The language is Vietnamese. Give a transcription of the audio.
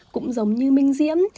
cũng giống như minh diễm